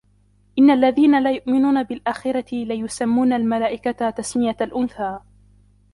إِنَّ الَّذينَ لا يُؤمِنونَ بِالآخِرَةِ لَيُسَمّونَ المَلائِكَةَ تَسمِيَةَ الأُنثى